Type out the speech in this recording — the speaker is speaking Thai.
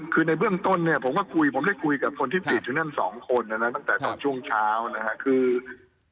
คือในเบื้องต้นเนี่ยผมก็คุยผมได้คุยกับคนที่ติดอยู่นั่นสองคนนะนะตั้งแต่ตอนช่วงเช้านะฮะคือ